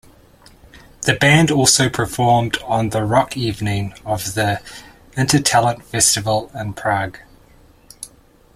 The band also performed on the rock evening of the Intertalent Festival in Prague.